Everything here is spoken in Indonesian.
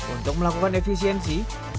untuk melakukan efisiensi